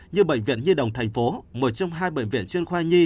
như bệnh viện nhi đồng thành phố một trong hai bệnh viện chuyên khoa nhi